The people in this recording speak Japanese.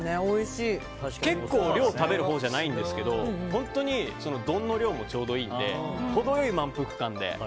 結構、量を食べるほうじゃないんですけど本当に丼の量もちょうどいいので程良い満腹感で。